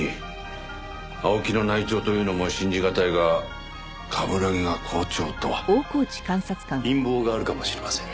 青木の内調というのも信じ難いが冠城が公調とは。陰謀があるかもしれません。